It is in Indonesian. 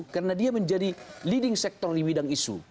karena dia menjadi leading sector di bidang isu